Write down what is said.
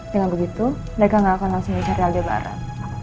dengan begitu mereka nggak akan langsung mencari al di barat